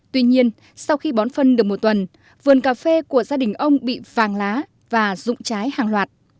tuy nhiên sau khi bón phân được một tuần vườn cà phê của gia đình ông bị phàng lá và rụng trái hàng loạt